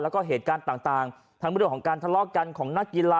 แล้วก็เหตุการณ์ต่างทั้งเรื่องของการทะเลาะกันของนักกีฬา